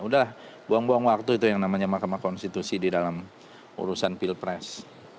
sudah buang buang waktu itu yang namanya mk di dalam urusan pilpres